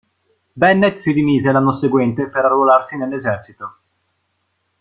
Bennett si dimise l'anno seguente per arruolarsi nell'esercito.